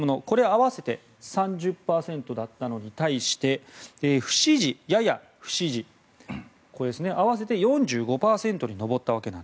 合わせて３０％だったのに対して不支持、やや不支持合わせて４５％に上りました。